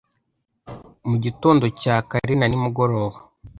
mu gitondo cya kare na nimugoroba